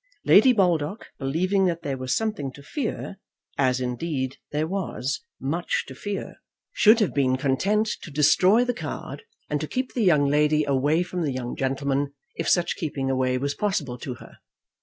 Lady Baldock, believing that there was something to fear, as, indeed, there was, much to fear, should have been content to destroy the card, and to keep the young lady away from the young gentleman, if such keeping away was possible to her.